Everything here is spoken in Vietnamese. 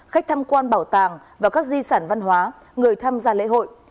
khách tham quan bảo tàng và các di sản văn hóa người tham gia lễ hội